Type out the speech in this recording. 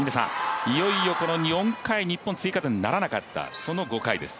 いよいよ４回日本、追加点ならなかったその５回です。